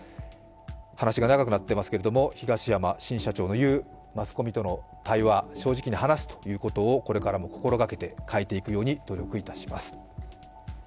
話が長くなっていますけど東山新社長が言うマスコミとの対話、正直に話すということをこれからも心がけて変えていくように努力いたします。